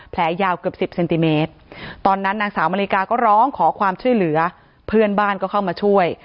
แผลยาวเกือบ๑๐เซนติเมตรตอนนั้นนางสาวมาริกาก็ร้องขอความช่วยเหลือเพื่อนบ้านก็เข้ามาช่วย